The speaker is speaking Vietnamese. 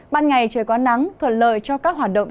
ban ngày trời có nắng thuận lợi cho các hoạt động